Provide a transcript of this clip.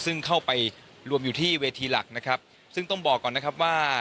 ซึ่งเข้าไปรวมอยู่ที่เวทีหลักนะครับซึ่งต้องบอกก่อนนะครับว่า